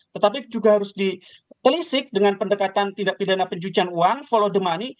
tetapi juga harus ditelisik dengan pendekatan tidak pidana pencucian uang follow the money